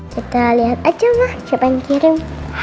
kita lihat aja ma siapa yang kirim